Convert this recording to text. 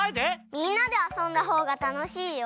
みんなであそんだほうがたのしいよ。